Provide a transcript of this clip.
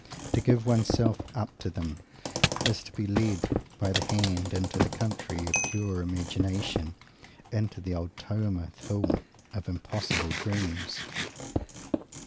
To give one's self up to them is to be led by the hand into the country of Pure Imagination, into the Ultima Thule of impossible dreams.